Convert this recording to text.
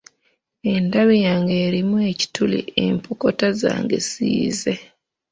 Endabi yange erimu ekituli, empokota zange ziyiise.